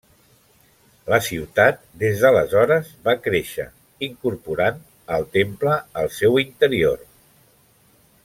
La ciutat des d'aleshores va créixer, incorporant al temple al seu interior.